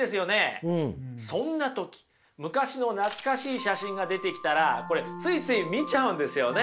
そんな時昔の懐かしい写真が出てきたらこれついつい見ちゃうんですよね。